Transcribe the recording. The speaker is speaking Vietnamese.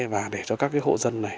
và để cho các cái hộ dân này